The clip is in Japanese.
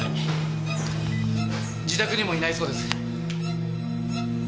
自宅にもいないそうです。